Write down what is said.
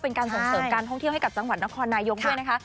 เป็นการส่งเสริมการท่องเที่ยวให้กับจังหวัดนครนายกด้วยนะคะ